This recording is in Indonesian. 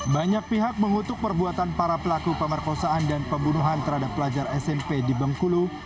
banyak pihak mengutuk perbuatan para pelaku pemerkosaan dan pembunuhan terhadap pelajar smp di bengkulu